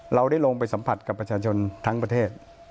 เราได้ลงไปสัมผัสกับประชาชนทั้งประเทศ